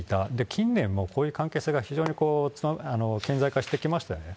近年もこういう関係性が非常に顕在化してきましたよね。